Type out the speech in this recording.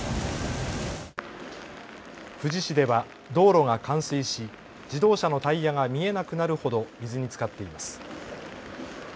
富士市では道路が冠水し自動車のタイヤが見えなくなるほど水につかっています。